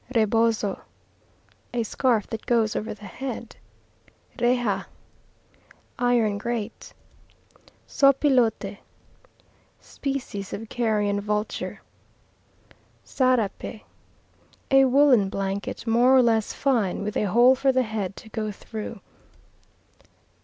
Rebozo A scarf that goes over the head. Reja Iron grate. Sopilote Species of carrion vulture. Sarape A woollen blanket more or less fine, with a hole for the head to go through.